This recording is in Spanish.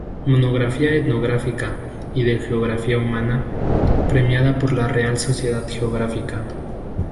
Monografía etnográfica y de Geografía humana, premiada por la Real Sociedad Geográfica.